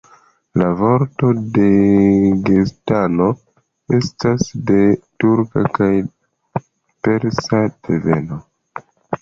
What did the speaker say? La vorto Dagestano estas de turka kaj persa deveno.